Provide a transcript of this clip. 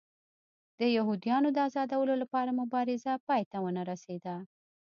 د یهودیانو د ازادولو لپاره مبارزه پای ته ونه رسېده.